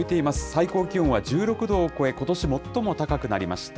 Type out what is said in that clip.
最高気温は１６度を超え、ことし最も高くなりました。